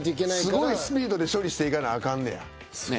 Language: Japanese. すごいスピードで処理していかなあかんねや。